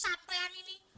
sampai an ini